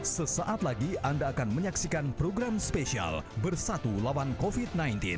sesaat lagi anda akan menyaksikan program spesial bersatu lawan covid sembilan belas